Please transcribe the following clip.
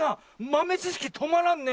まめちしきとまらんね。